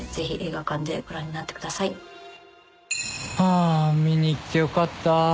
「あ見に来てよかった」